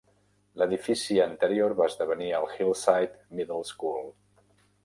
L'edifici anterior va esdevenir el Hillside Middle School.